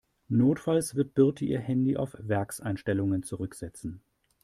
Notfalls wird Birte ihr Handy auf Werkseinstellungen zurücksetzen.